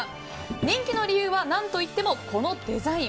人気の理由は何といってもこのデザイン。